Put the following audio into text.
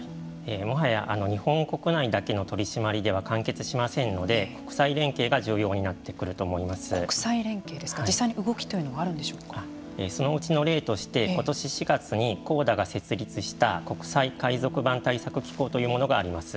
もはや日本国内だけの取り締まりだけでは完結しませんので国際連携が重要になってくると実際に動きはその一例としてことしの４月にＣＯＤＡが設立した国際海賊版対策機構というものがあります。